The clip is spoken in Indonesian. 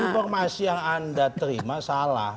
informasi yang anda terima salah